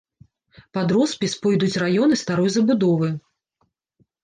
Пад роспіс пойдуць раёны старой забудовы.